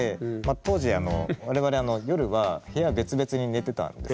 当時あの我々夜は部屋別々に寝てたんですね。